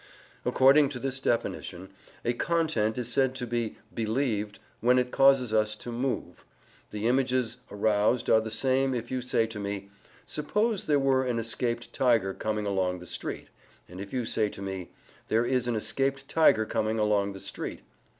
According to this definition, a content is said to be "believed" when it causes us to move. The images aroused are the same if you say to me, "Suppose there were an escaped tiger coming along the street," and if you say to me, "There is an escaped tiger coming along the street."